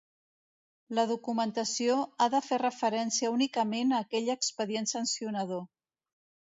La documentació ha de fer referència únicament a aquell expedient sancionador.